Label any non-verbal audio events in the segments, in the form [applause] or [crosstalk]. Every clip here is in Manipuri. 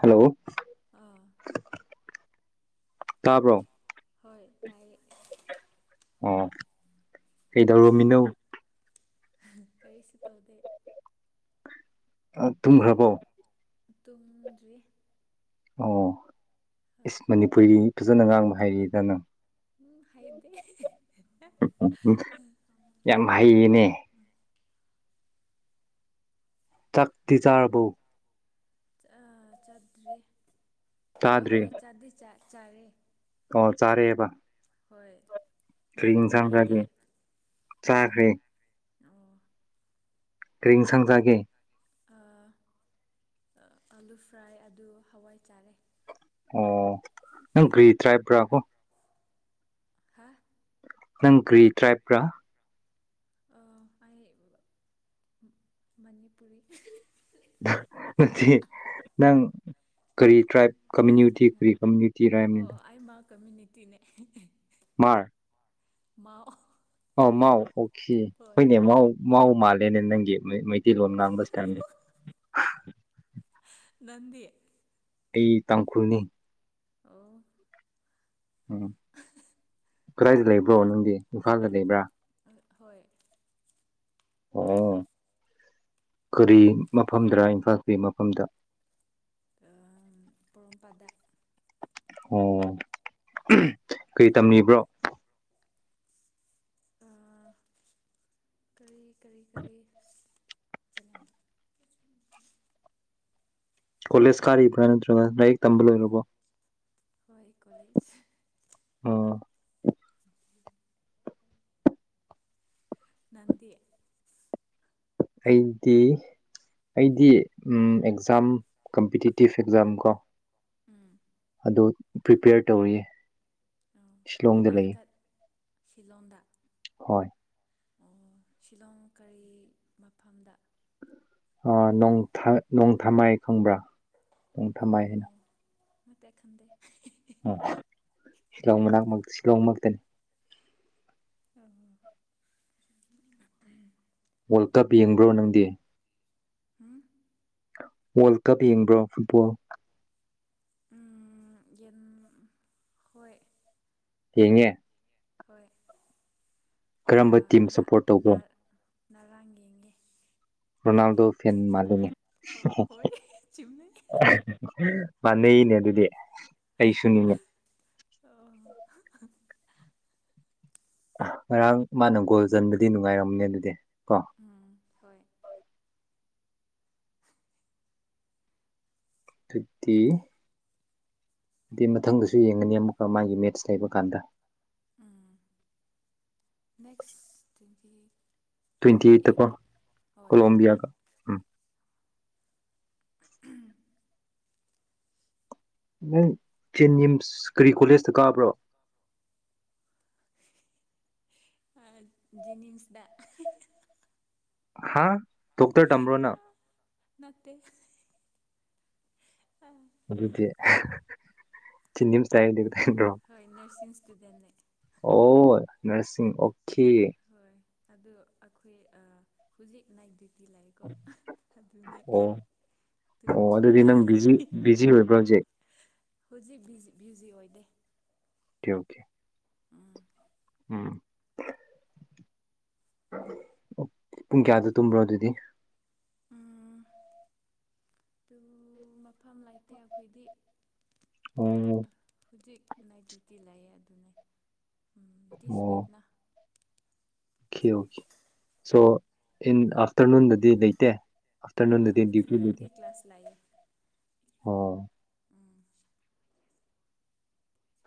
ꯍꯜꯂꯣ ꯑꯥ ꯇꯥꯄ꯭ꯔꯣ ꯍꯣꯏ ꯇꯥꯏ ꯑꯣ ꯀꯗꯧꯔꯝꯃꯤꯅꫭ ꯀꯩꯁꯤ ꯅꯟ ꯇꯨꯝꯈ꯭ꯔꯕꯣ ꯇꯣꯡꯗ꯭ꯔꯤ ꯑꯣ ꯏꯁ ꯃꯅꯤꯄꯨꯔꯤ ꯐꯖꯅ ꯉꯥꯡꯕ ꯍꯥꯏꯔꯤꯗ ꯅꯪ ꯎꯝ ꯍꯥꯏꯗꯦ ꯌꯥꯝ ꯍꯩꯌꯦꯅꯦ ꯆꯥꯛꯇꯤ ꯆꯥꯔꯕꯧ ꯆꯠꯇ꯭ꯔꯤ ꯍꯣꯏ ꯍꯣꯏ ꯆꯥꯗꯤ ꯆꯥꯏ ꯆꯔꯦ ꯀꯣ ꯆꯥꯔꯑꯦꯕ ꯍꯣꯏ ꯀꯔꯤ ꯏꯟꯁꯥꯡ ꯅꯈꯣꯏꯗꯤ ꯆꯒꯦ ꯆꯈꯔꯦ ꯑꯣ ꯀꯔꯤꯡꯁꯪꯖꯒꯦ ꯑꯂꯨ ꯐ꯭ꯔꯥꯏ ꯑꯗꯨ ꯍꯋꯥꯏ ꯆꯥꯔꯦ ꯑꯣ ꯅꯪ ꯀꯒ꯭ꯔꯤ ꯇ꯭ꯔꯥꯏꯕ꯭ꯔꯥꯀꯣ ꯍꯥ ꯅꯪ ꯒ꯭ꯔꯤ ꯇ꯭ꯔꯥꯏꯕꯔꯥ ꯑꯩ ꯃꯅꯤꯄꯨꯔꯤ ꯅꯠꯇꯥꯌꯦ ꯅꯪ ꯀꯔꯤ ꯇ꯭ꯔꯥꯏꯞ ꯀꯃꯨꯇꯤ ꯐ꯭ꯔꯤ ꯀꯃꯨꯇꯤ ꯔꯅꯤꯗ ꯀꯝꯃꯨꯅꯤꯇꯤꯅꯦ ꯃꯥꯔ ꯃꯥꯎ ꯑꯥꯎ ꯃꯥꯎ ꯍꯣꯏ ꯍꫭꯏ ꯃꯥꯎ ꯑꯩꯅ ꯅꯪꯒꯤ ꯃꯩꯇꯩ ꯂꯣꯝ ꯑꯣ ꯉꯥꯡꯕ [unintelligible] ꯅꯪꯗꯤ ꯑꯩ ꯇꯥꯡꯈꯨꯜꯅꯤ ꯑꯣ ꯎꯝ ꯀꯗꯥꯏꯗ ꯂꯩꯕ꯭ꯔꯣ ꯅꯪꯗꯤ ꯏꯝꯐꯥꯜꯗ ꯂꯩꯕ꯭ꯔꯥ ꯍꯣꯏ ꯑꯣ ꯀꯔꯤ ꯃꯐꯝꯗꯔꯥ ꯏꯝꯐꯥꯜꯒꯤ ꯃꯐꯝꯗ ꯑ ꯄꯣꯔꯣꯝꯄꯥꯠꯇ ꯑꯣ ꯀꯩ ꯇꯝꯂꯤꯕ꯭ꯔꯣ ꯀꯔꯤ ꯀꯔꯤ ꯀꯔꯤ ꯀꯣꯂꯦꯖ ꯀꯥꯔꯤꯕ꯭ꯔꯥ ꯅꯠꯇ꯭ꯔꯒ ꯂꯥꯏꯔꯤꯛ ꯇꯝꯕ ꯂꯣꯏꯔꯕꯣ ꯍꯣꯏ ꯀꯂꯦꯖ ꯑꯥ ꯅꯪꯗꯤ ꯑꯩꯗꯤ ꯑꯩꯗꯤ ꯑꯦꯛꯖꯥꯝ ꯀꯝꯄꯤꯇꯤꯇꯤꯐ ꯑꯦꯛꯖꯥꯝ ꯀꯣ ꯎꯝ ꯑꯗꯨ ꯄ꯭ꯔꯤꯄꯦꯌꯔ ꯇꯧꯔꯤꯌꯦ ꯑꯣ ꯁꯤꯂꯣꯡꯗ ꯂꯩꯌꯦ ꯅꯪꯀꯠ ꯁꯤꯂꯣꯡꯗ ꯍꯣꯏ ꯑꯣ ꯁꯤꯂꯣꯡ ꯀꯔꯤ ꯃꯐꯝꯗ ꯅꯣꯡ ꯊꯥ ꯅꯣꯡ ꯊꯥꯃꯥꯏ ꯈꯪꯕ꯭ꯔꯥ ꯅꯣꯡ ꯊꯥꯃꯥꯏ ꯍꯥꯏꯅ ꯈꯪꯗꯦ ꯈꯗꯦ ꯑꯥ ꯁꯤꯂꯣꯡ ꯃꯅꯥꯛ ꯃꯛ ꯁꯤꯂꯣꯡꯃꯛꯇꯅꯤ ꯑꯣ ꯋꯥꯔꯜ ꯀꯞ ꯌꯦꯡꯕ꯭ꯔꯣ ꯅꯪꯗꯤ ꯍꯨꯝ ꯋꯥꯔꯜ ꯀꯞ ꯌꯦꯡꯕ꯭ꯔꯣ ꯐꯨꯠꯕꯣꯜ ꯎꯝ ꯌꯦꯡ ꯍꯣꯏ ꯌꯦꯡꯉꯦ ꯍꯣꯏ ꯀꯔꯝꯕ ꯇꯤꯝ ꯁꯞꯄꯣꯔꯠ ꯇꯧꯕ꯭ꯔꯣ ꯉꯔꯥꯡ ꯌꯦꯡꯒꯦ ꯔꯣꯅꯥꯜꯗꯣ ꯐꯦꯟ ꯃꯥꯜꯂꯤꯅꯦ ꯍꯣꯏ ꯍꯣꯏ ꯆꯨꯝꯃꯦ ꯃꯥꯟꯅꯅꯩꯅꯦ ꯑꯗꯨꯗꯤ ꯑꯩꯩꯁꯨꯅꯤꯅꯦ ꯑꯣ ꯉꯔꯥꯡ ꯃꯥꯅ ꯒꯣꯜ ꯆꯟꯕꯗꯤ ꯅꯨꯡꯉꯥꯏꯔꯝꯅꯤ ꯑꯗꯨꯗꯤ ꯀꯣ ꯎꯝ ꯍꯣꯏ ꯗꯨꯗꯤ ꯗꯤ ꯃꯊꯪꯗꯁꯨ ꯌꯦꯡꯒꯅꯤ ꯑꯃꯨꯛꯀ ꯃꯥꯒꯤ ꯃꯦꯠꯁ ꯂꯩꯕ ꯀꯥꯟꯗ ꯎꯝ ꯅꯦꯛꯁ [unintelligible] ꯇ꯭ꯋꯦꯟꯇꯤ ꯑꯩꯠꯇꯀꯣ ꯍꯣꯏ ꯀꯣꯂꯣꯝꯕꯤꯌꯥꯒ ꯎꯝ [unintelligible] ꯅꯪ ꯖꯦꯟꯅꯤꯝꯁ ꯀꯔꯤ ꯀꯣꯂꯦꯖꯇ ꯀꯥꯕ꯭ꯔꯣ ꯑ ꯖꯦꯅꯤꯝꯁꯗ ꯍꯥꯥ ꯗꯣꯛꯇꯔ ꯇꯝꯕ꯭ꯔꯣ ꯅꯪ ꯅꯠꯇꯦ ꯑꯥ ꯑꯗꯨꯗꯤ ꯖꯦꯅꯤꯝꯁ ꯇ ꯍꯥꯏꯗꯤ ꯍꯣꯏ ꯅꯔꯁꯤꯡ ꯑꯗꯨꯗꯅꯦ ꯑꯣ ꯅꯔꯁꯤꯡ ꯑꯣꯈꯦ ꯑꯣ ꯍꯣꯏ ꯑꯗꯨ ꯑꯩꯈꯣꯏ ꯑꯥ ꯍꯧꯖꯤꯛ ꯅꯥꯢꯠ ꯗꯤꯌꯨ ꯑꯣ ꯑꯣ ꯇꯨꯝꯗ꯭ꯔꯤ ꯑꯗꯨꯗꯤ ꯅꯪ ꯕꯤꯖꯤ ꯕꯤꯖꯤ ꯑꯣꯏꯕ꯭ꯔꯥ ꯍꯧꯖꯤꯛ ꯍꯧꯖꯤꯛ ꯕꯤꯖꯤ ꯕꯤꯖꯤ ꯑꯣꯏꯗꯦ ꯑꯣꯀꯦ ꯑꯣꯀꯦ ꯎꯝ ꯎꯝ ꯑꯣ ꯄꯨꯡ ꯀꯌꯥꯗ ꯇꯨꯝꯕ꯭ꯔꯥ ꯑꯗꯨꯗꯤ ꯎꯝ ꯄꯨꯡ ꯃꯐꯝ ꯂꯩꯇꯦ ꯑꯩꯈꯣꯏꯗꯤ ꯑꯣ ꯍꯧꯖꯤꯛ ꯅꯥꯢꯠ ꯗꯨꯌꯨꯇꯤ ꯂꯩꯌꯦ ꯑꯗꯨꯅꯦ ꯗꯤꯁ ꯋꯤꯛ ꯅꯥ ꯑꯣꯀꯦ ꯑꯣꯀꯦ ꯁꯣ ꯏꯟ ꯑꯥꯐꯇꯔꯅꯨꯟꯗꯗꯤ ꯂꯩꯇꯦ ꯍꯥꯥ ꯑꯥꯐꯇꯔꯅꯨꯟꯗꯗꯤ ꯗ꯭ꯌꯨꯇꯤ ꯂꯩꯇꯦ ꯑꯥꯐꯇꯔꯅꯨꯟꯗꯤ ꯀ꯭ꯂꯥꯁ ꯂꯩꯌꯦ ꯑꯣ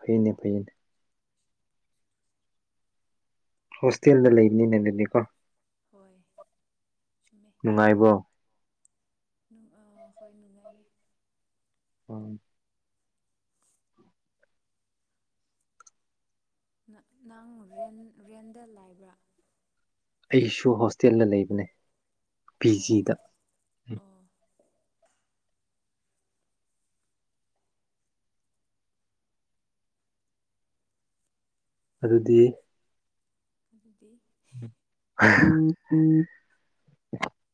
ꯐꯩꯅꯦ ꯐꯩꯅꯦ ꯍꯣꯁꯇꯦꯜꯗ ꯂꯩꯕꯅꯤꯅꯦ ꯅꯪꯗꯤ ꯀꯣ ꯍꯣꯏ ꯆꯨꯝꯃꯦ ꯅꯨꯡꯉꯥꯏꯕ꯭ꯔꯣ ꯍꯣꯏ ꯅꯨꯡꯉꯥꯏꯔꯦ ꯎꯝ ꯅ ꯅꯪꯟ ꯔꯦꯟꯗ ꯂꯥꯏꯕ꯭ꯔꯥ ꯑꯩꯁꯨ ꯍꯣꯁ ꯇꯦꯜꯗ ꯂꯩꯕꯅꯦ ꯄꯤ ꯖꯤ ꯑꯣ ꯗ ꯑꯣ ꯑꯗꯨꯗꯤ ꯑꯗꯨꯗꯤ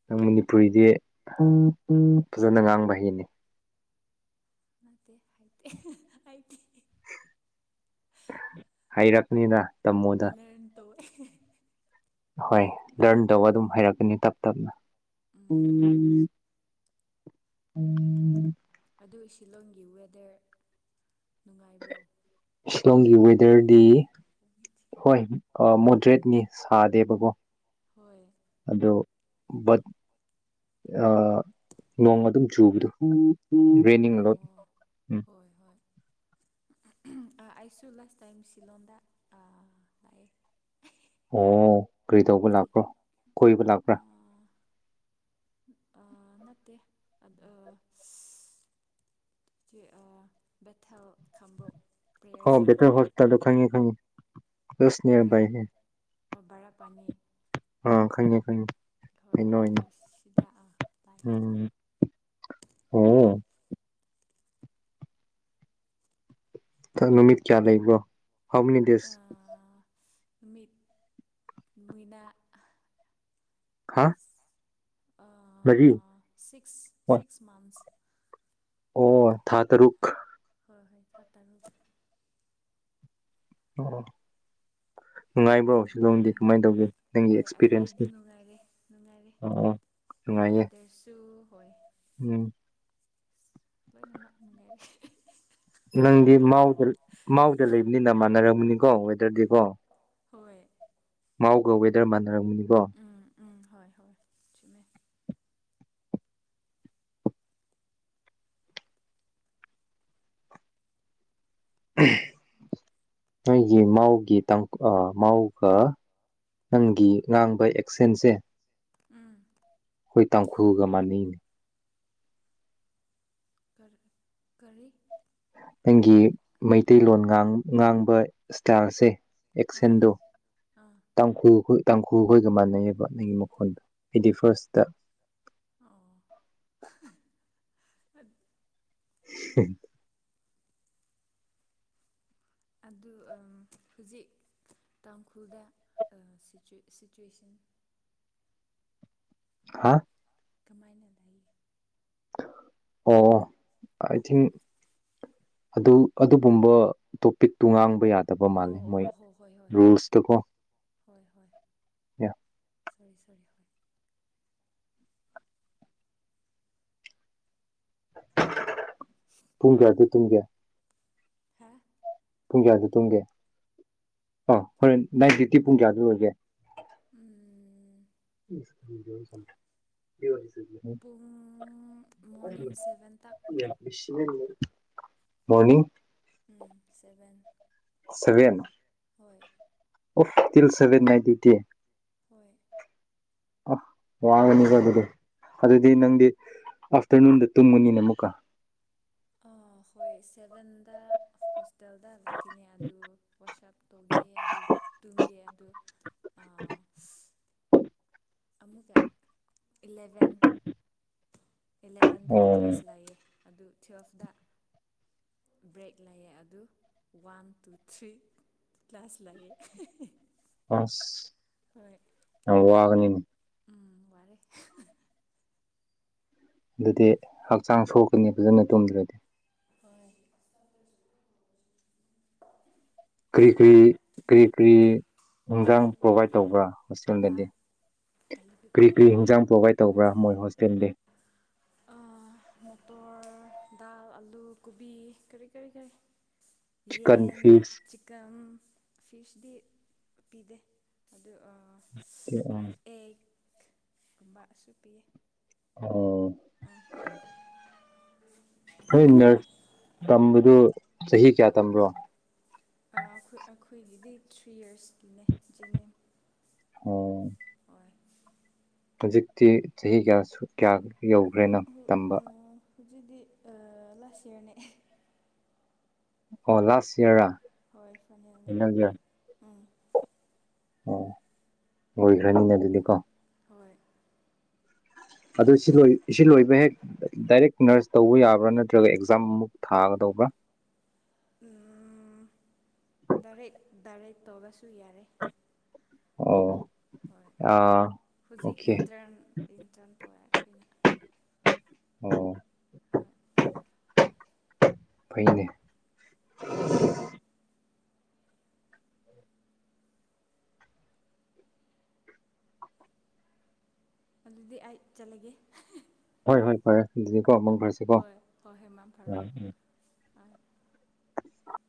ꯅꯪ ꯃꯅꯤꯄꯨꯔꯤꯗꯤ ꯐꯖꯅ ꯉꯥꯡꯕ ꯍꯩꯅꯦ ꯅꯠꯇꯦ ꯍꯩꯇꯦ ꯍꯩꯇꯤꯌꯦ ꯍꯩꯔꯛꯅꯤꯗ ꯇꯝꯃꯣꯗ ꯗꯣ ꯍꯣꯏ ꯂꯔꯟ ꯇꯧꯕ ꯑꯗꯨꯝ ꯍꯥꯏꯩꯔꯛꯀꯅꯤ ꯇꯞ ꯇꯞꯅ ꯎꯝ ꯎꯝ ꯑꯗꯨ ꯁꯤꯂꯑꯣꯡꯒꯤ ꯋꯦꯗꯔ ꯅꯨꯡꯉꯥꯏꯕ꯭ꯔꯣ ꯁꯤꯂꯣꯡꯒꯤ ꯋꯦꯗꯔꯗꯤ ꯍꯣꯏ ꯃꯣꯗꯔꯦꯠꯅꯤ ꯁꯥꯗꯦꯕꯀꯣ ꯍꯣꯏ ꯑꯗꯣ ꯕꯠ ꯅꯣꯡ ꯑꯗꯨꯝ ꯆꯨꯕꯗꯣ ꯔꯦꯅꯤꯡ ꯂꯣꯠ ꯍꯑꯣ ꯎꯝ ꯍꯣꯏ ꯍꯣꯏ ꯑꯩꯁꯨ ꯂꯥꯁ ꯇꯥꯏꯝ ꯁꯤꯂꯂꯣꯡꯗꯥ ꯑꯥ ꯂꯛꯑꯦ ꯑꯣ ꯀꯔꯤ ꯇꯧꯕ ꯂꯥꯛꯄ꯭ꯔꯣ ꯀꯣꯏꯕ ꯂꯥꯛꯄ꯭ꯔꯥ ꯑꯥ ꯅꯠꯇꯦ ꯕꯦꯊꯦꯜ ꯈꯥꯝꯕꯣꯛ ꯑꯣ ꯕꯦꯇꯜ ꯍꯣꯁꯄꯤꯇꯥꯜꯗꯑꯣ ꯈꯪꯉꯦ ꯈꯪꯉꯦ ꯁ ꯅꯅꯤꯌꯔꯕꯥꯏ ꯍꯑꯦ ꯕꯔꯥꯄꯅꯤ ꯑ ꯈꯪꯉꯦ ꯈꯪꯉꯦ ꯑꯗꯨ ꯀꯩꯅꯣꯅꯦ ꯁꯤꯗ ꯂꯥꯛꯑꯦ ꯎꯝ ꯑꯣ ꯅꯨꯃꯤꯠ ꯀꯌꯥ ꯂꯩꯕꯔꯣ ꯍꯥꯎꯃꯤꯅꯤ ꯗꯁ ꯅꯨꯃꯤꯠ ꯃꯅꯥ ꯍꯥ ꯃꯔꯤ ꯁꯤꯛꯁ ꯁꯤꯛꯁ ꯃꯟꯁ ꯑꯣ ꯊꯥ ꯇꯔꯨꯛ ꯍꯣꯏ ꯍꯣꯏ ꯊꯥ ꯇꯔꯨꯛ ꯑꯣ ꯅꯨꯡꯉꯥꯏꯕꯔꯣ ꯁꯤꯜꯂꯣꯡꯗꯤ ꯅꯥꯪꯒꯤ ꯑꯦꯛꯄꯑꯔꯏꯌꯦꯟꯇꯤ ꯀꯃꯥꯏꯅ ꯇꯧꯒꯦ ꯅꯪꯒꯤ ꯍꯣꯏ ꯑꯩ ꯑꯩꯗꯤ ꯑꯦꯛꯁꯄꯤꯔꯤꯌꯦꯟꯁꯅꯤ ꯅꯨꯡꯉꯥꯏꯔꯦ ꯅꯨꯡꯉꯥꯏꯔꯦ ꯑ ꯅꯨꯡꯉꯥꯏꯌꯦ ꯋꯦꯗꯔꯁꯨ ꯍꯣꯏ ꯎꯝ ꯂꯣꯏꯅꯃꯛ ꯅꯨꯡꯉꯥꯏꯔꯦ ꯅꯪꯗꯤ ꯃꯥꯎꯗ ꯃꯥꯎꯗ ꯂꯩꯕꯅꯤꯅ ꯃꯥꯟꯅꯔꯝꯒꯅꯤ ꯀ ꯑꯦꯗꯔꯗꯤ ꯀꯣ ꯍꯣꯏ ꯃꯥꯎꯒ ꯋꯦꯗꯔ ꯃꯥꯟꯅꯔꯝꯅꯤ [unintelligible] ꯎꯝ ꯎꯝ ꯍꯣꯏ ꯍꯣꯏ ꯆꯨꯝꯃꯦ ꯅꯣꯏꯒꯤ ꯃꯥꯎꯒꯤ ꯃꯥꯎꯒ ꯅꯪꯒꯤ ꯉꯥꯡꯕ ꯑꯦꯛꯁꯦꯟꯁꯦ [inaudible] ꯎꯝ ꯑꯩꯈꯣꯏ ꯇꯥꯡꯈꯨꯜꯒ ꯃꯅꯤꯅꯤ ꯀꯔꯤ ꯅꯪꯒꯤ ꯃꯩꯇꯩꯂꯣꯟ ꯉꯥꯡꯕ ꯏꯁꯇꯥꯏꯜꯁꯦ ꯑꯥ ꯑꯦꯛꯁꯦꯟꯗꯣ ꯑꯥ ꯇꯥꯡꯈꯨ ꯇꯥꯡꯈꯨꯜꯈꯣꯏꯒ ꯃꯥꯟꯅꯩꯑꯕ ꯅꯪꯒꯤ ꯃꯈꯣꯟꯗꯣ ꯑꯩꯗꯤ ꯐꯥꯔꯁꯇ ꯑꯣ [inaudible] ꯑꯗꯨ ꯎ ꯑꯗꯨ ꯍꯧꯖꯤꯛ ꯇꯥꯡꯈꯨꯜꯗ ꯁꯤꯆꯨꯋꯦꯁꯟ ꯍꯥꯥ ꯀꯃꯥꯏꯅ ꯂꯩ ꯑꯣ ꯑꯥꯏ ꯊꯤꯡ ꯑꯗꯨ ꯑꯗꯨꯒꯨꯝꯕ ꯇꯣꯄꯤꯛꯇꯨ ꯉꯥꯡꯕ ꯌꯥꯗꯦ ꯇꯕ ꯃꯥꯦ ꯑꯣ ꯃꯣꯏ ꯑꯣ ꯍꯣ ꯍꯣꯏ ꯍꯣꯏ ꯍꯣꯏ ꯔꯨꯜꯁꯇ ꯀꯣ ꯍꯣꯏ ꯍꯣꯏ ꯌꯥ ꯁꯔꯤ ꯁꯔꯤ ꯍꯣꯏ ꯄꯨꯡ ꯀꯌꯥꯗ ꯇꯨꯡ ꯀꯌꯥ ꯍꯥ ꯄꯨꯡ ꯀꯌꯥꯗꯨ ꯇꯨꯝꯒꯦ ꯑꯣ ꯍꯣꯔꯦꯟ ꯅꯥꯏꯟ ꯐꯤꯇꯤ ꯄꯨꯡ ꯀꯌꯥꯗꯨ ꯂꯣꯏꯒꯦ ꯎꯝ ꯄꯨꯡ ꯃꯣꯔꯅꯤꯡ ꯁꯚꯦꯟ ꯇꯛ ꯎꯝ [unintelligible] ꯁꯤ ꯃꯣꯅꯤ ꯎꯝ ꯁꯚꯦꯟ ꯁꯚꯦꯟ ꯍꯣꯏ ꯇ ꯁꯚꯦꯟ ꯅꯥꯏꯟꯇꯤ ꯇ ꯍꯣꯏ ꯑ ꯋꯥꯉꯅꯤ ꯀ ꯑꯗꯨꯗꯤ ꯑꯗꯨꯗꯤ ꯍꯣꯏ ꯅꯪꯗꯤ ꯑꯥꯐꯇꯔꯅꯨꯟꯗ ꯇꯨꯝꯒꯨꯅꯤꯅ ꯑꯃꯨꯛꯀꯥ ꯑ ꯍꯣꯏ ꯁꯚꯦꯟꯗ ꯍꯣꯇꯦꯜꯗꯜꯂꯛꯈꯤꯅꯦ ꯑꯗꯨ ꯋꯥꯁꯑꯞ ꯇꯧꯈꯤ ꯑꯗꯨ ꯇꯨꯡꯒꯦ ꯑꯗꯨ ꯑꯃꯨꯛꯀ ꯏꯂꯦꯚꯦꯟ ꯑꯦꯂꯚꯦꯟꯗ ꯑꯣ ꯀ꯭ꯂꯥꯁ ꯂꯥꯛꯑꯦ ꯑꯗꯨ ꯇꯨꯋꯦꯜꯐꯇ ꯕ꯭ꯔꯦꯛ ꯂꯩꯑꯦ ꯑꯗꯨ ꯋꯥꯟ ꯇꯨ ꯊ꯭ꯔꯤ ꯀ꯭ꯂꯥꯁ ꯂꯩꯌꯦꯦ ꯍ ꯋꯥꯒꯅꯤ ꯎ ꯎꯝ ꯋꯥꯔꯦ ꯑꯗꯨꯗꯤ ꯍꯛꯆꯥꯡ ꯁꯣꯛꯀꯅꯤ ꯐꯖꯅ ꯇꯨꯝꯗ꯭ꯔꯗꯤ ꯍꯣꯏ ꯀꯔꯤ ꯀꯔꯤꯔꯤ ꯍꯤꯟꯖꯥꯡ ꯄ꯭ꯔꯣꯚꯥꯏꯠ ꯇꯧꯕ꯭ꯔꯥ ꯍꯥ ꯍꯣꯁꯇꯦꯜꯗꯗꯤ ꯀꯔꯤ ꯀꯔꯤ ꯍꯤꯟꯖꯥꯡ ꯄ꯭ꯔꯣꯚꯥꯏꯠ ꯇꯧꯕ꯭ꯔꯥ ꯃꯣꯏ ꯍꯣꯁꯇꯦꯜꯗꯤ ꯃꯇꯣꯔ ꯗꯥꯜ ꯑꯥꯂꯨ ꯀꯣꯕꯤ ꯀꯔꯤ ꯀꯔꯤ ꯀꯔꯤ ꯆꯤꯛꯀꯟ ꯌꯦꯟ ꯐꯤꯁ ꯆꯤꯛꯀꯝ ꯐꯤꯁꯗꯤ ꯄꯤꯤꯗꯦ ꯑꯗꯨ ꯑꯦ ꯕꯁꯨ ꯄꯤ ꯑꯣ ꯅꯣꯏ ꯅꯔꯁ ꯇꯝꯕꯗꯨ ꯆꯍꯤ ꯀꯌꯥ ꯇꯝꯕ꯭ꯔꯣ ꯑꯩꯈꯣꯏ ꯑꯩꯈꯣꯏꯒꯤꯗꯤ ꯊ꯭ꯔꯤ ꯌꯔꯁꯀꯤꯅꯦ ꯖꯦꯅꯤꯝ ꯑꯣ ꯍꯧꯖꯤꯛꯇꯤ ꯆꯍꯤ ꯀꯌꯥ ꯀꯌꯥꯒ ꯌꯧꯈ꯭ꯔꯦ ꯅꯪ ꯇꯝꯕ ꯍꯧꯖꯤꯛꯗꯤ ꯂꯥꯁ ꯏꯌꯥꯔꯅꯦ ꯑꯣ ꯂꯥꯁ ꯏꯔꯥ ꯍꯣꯏ ꯐꯅꯤꯅ ꯑꯣ ꯑꯣꯏꯈ꯭ꯔꯅꯤꯅ ꯑꯗꯨꯗꯤꯀꯣ ꯍꯣꯏ ꯑꯗꯨ ꯁꯤ ꯂꯣꯏ ꯁꯤ ꯂꯣꯏꯕ ꯍꯦꯛ ꯗꯥꯏꯔꯦꯛ ꯅꯔꯁ ꯇꯧꯕ ꯌꯥꯕ꯭ꯔꯥ ꯅꯠꯇ꯭ꯔꯒ ꯑꯦꯛꯖꯥꯝꯃꯨꯛ ꯊꯥꯒꯗꯧꯕ꯭ꯔꯥ ꯗꯥꯔꯦꯠ ꯗꯥꯔꯦꯠ ꯇꯧꯕꯁꯨ ꯌꯥꯔꯦ ꯑꯣ ꯍꯣꯏ ꯑꯥ ꯍꯧꯖꯤꯛ ꯑꯣꯀꯦ ꯏꯟꯇꯔꯟ ꯏꯟꯇꯔꯟ ꯇꯧꯋꯦ ꯑꯩꯈꯣꯏꯅ ꯑꯣ ꯍꯣꯏ ꯐꯥꯏꯅꯦ [inaudible] ꯍꯣꯏ ꯑꯗꯨꯗꯤ ꯑꯩ ꯆꯂꯒꯦ ꯍꯣꯏ ꯍꯣꯏ ꯐꯔꯦ ꯀꯣ ꯃꯪ ꯐꯔꯁꯤ ꯀꯣ ꯍꯣꯏ ꯍꯣꯏ ꯍꯣꯏ ꯃꯪ ꯐꯔꯣ ꯎꯝ ꯎꯝ ꯑꯥ